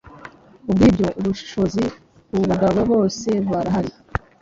Kubwibyo ubushishozi kubagabo bose burahari